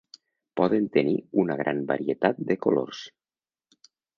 Poden tenir una gran varietat de colors.